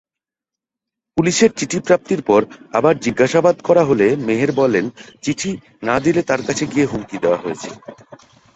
পুলিশের চিঠি প্রাপ্তির পর আবার জিজ্ঞাসাবাদ করা হলে মেহের বলেন, চিঠি না দিলে তার কাছে গিয়ে হুমকি দেওয়া হয়েছে।